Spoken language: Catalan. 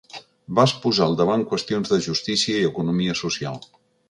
Vas posar al davant qüestions de justícia i economia social.